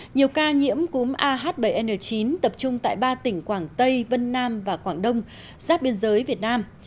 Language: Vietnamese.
nhiều ca nhiễm cúm ah bảy n chín tập trung tại ba tỉnh quảng tây vân nam và quảng đông giáp biên giới việt nam